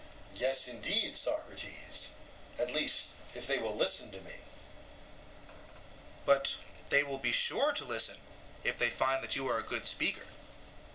EUTHYPHRO: Yes indeed, Socrates; at least if they will listen to me. SOCRATES: But they will be sure to listen if they find that you are a good speaker.